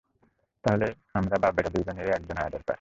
তাহলে, আমরা বাপ ব্যাটা দুজনেরই একজন আয়া দরকার!